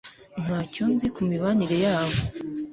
ntacyo nzi ku mibanire yabo